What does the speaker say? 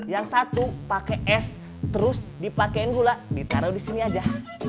yang satu pakai es terus dipakaiin gula ditaruh di sini aja